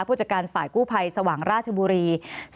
ผู้จัดการฝ่ายกู้ภัยสว่างราชบุรี